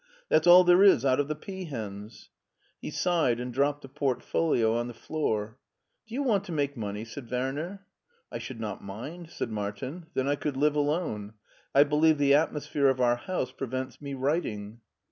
That's all there is out of the peahens." He sighed and dropped the portfolio on the floor. " Do you want to make money ?" said Werner. I should not mind," said Martin ;" then I could live alone. I believe the atmosphere of our house pre vents me writing."